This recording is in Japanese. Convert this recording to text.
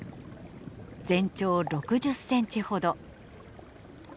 全長６０センチほど。